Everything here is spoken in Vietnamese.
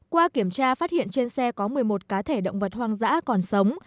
qua kiểm tra phát hiện trên xe có một mươi một cá thể động vật hoang dã còn sống